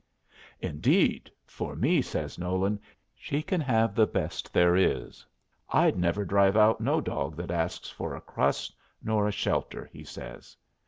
"Indeed, for me," says Nolan, "she can have the best there is. I'd never drive out no dog that asks for a crust nor a shelter," he says.